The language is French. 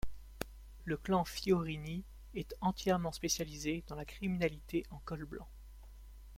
Le Clan Fiorini est entièrement spécialisé dans la criminalité en col blanc.